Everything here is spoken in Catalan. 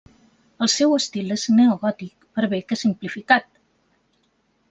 El seu estil és neogòtic, per bé que simplificat.